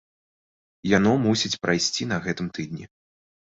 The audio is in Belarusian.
Яно мусіць прайсці на гэтым тыдні.